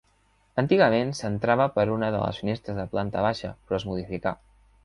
Antigament s'entrava per una de les finestres de planta baixa, però es modificà.